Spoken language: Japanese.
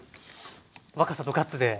若さとガッツで。